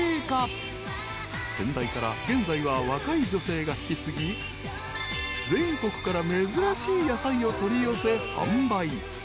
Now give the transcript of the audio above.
［先代から現在は若い女性が引き継ぎ全国から珍しい野菜を取り寄せ販売］